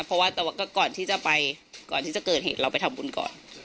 เพราะว่าแต่ว่าก่อนที่จะไปก่อนที่จะเกิดเหตุเราไปทำบุญก่อน